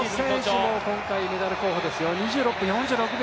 この選手も今回メダル候補ですよ。